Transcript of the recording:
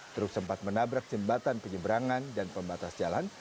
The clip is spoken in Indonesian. truk sempat menabrak jembatan penyeberangan dan pembatas jalan